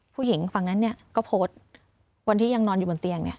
ผู้หญิงฝั่งนั้นเนี่ยก็โพสวันที่ยังนอนอยู่บนเตียงเนี่ย